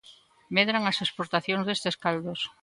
Medran as exportacións destes caldos.